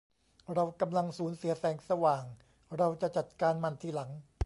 เรากำลังสูญเสียแสงสว่าง เราจะจัดการมันทีหลัง